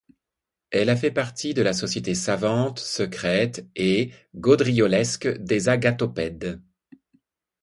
Il a fait partie de la société savante, secrète et gaudriolesque des agathopèdes.